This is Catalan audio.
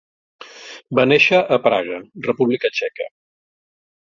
Va néixer a Praga, República Txeca.